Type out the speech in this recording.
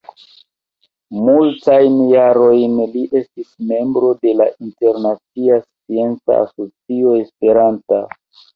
Multajn jarojn li estis membro de la Internacia Scienca Asocio Esperanta.